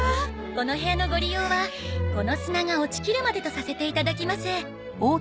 この部屋のご利用はこの砂が落ちきるまでとさせていただきます。